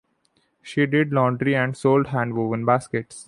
She did laundry and sold handwoven baskets.